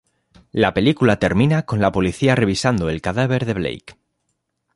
La película termina con la policía revisando el cadáver de Blake.